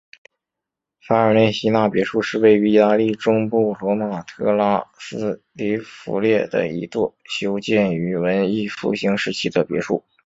法尔内西纳别墅是位于意大利中部罗马特拉斯提弗列的一座修建于文艺复兴时期的别墅。